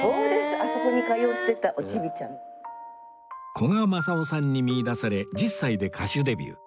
古賀政男さんに見いだされ１０歳で歌手デビュー